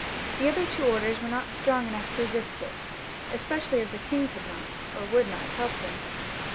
Thie other two orders were not strong enough to resist this, especially as the king could not or would not help them.